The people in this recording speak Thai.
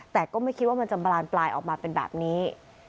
แต่ก็ไม่คิดว่ามันจะบานปลายออกมาเป็นแบบนี้